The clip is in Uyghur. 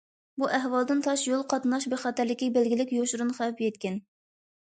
بۇ ئەھۋالدىن تاش يول قاتناش بىخەتەرلىكىگە بەلگىلىك يوشۇرۇن خەۋپ يەتكەن.